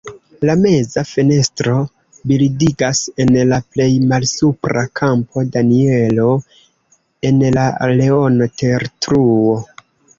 La meza fenestro bildigas en la plej malsupra kampo Danielo en la leono-tertruo.